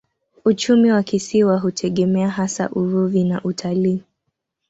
Uchumi wa kisiwa hutegemea hasa uvuvi na utalii.